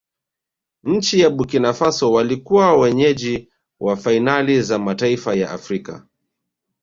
nchi ya burkina faso walikuwa wenyeji wa fainali za mataifa ya afrika